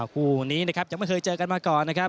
คู่นี้นะครับยังไม่เคยเจอกันมาก่อนนะครับ